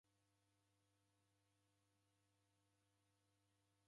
Hata ini nanekwa